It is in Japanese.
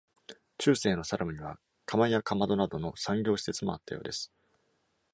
中世のサラムには、窯やかまどなどの産業施設もあったようです。